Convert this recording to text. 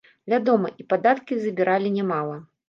Вядома, і падаткі забіралі нямала.